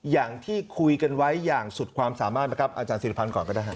อย่างที่คุยกันไว้อย่างสุดความสามารถนะครับอาจารย์ศิริพันธ์ก่อนก็ได้ครับ